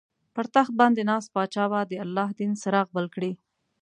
پر تخت باندې ناست پاچا به د الله دین څراغ بل کړي.